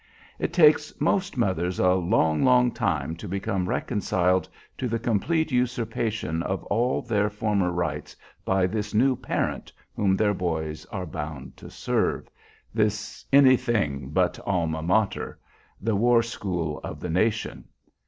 It takes most mothers a long, long time to become reconciled to the complete usurpation of all their former rights by this new parent whom their boys are bound to serve, this anything but Alma Mater, the war school of the nation.